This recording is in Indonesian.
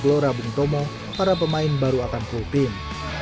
di gelora bung tomo para pemain baru akan klubin